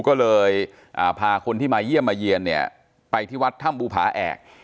ก็เลยพาคนที่มาเยี่ยมมาเยี่ยนไปที่วัดธรรมบุตรภาอแอก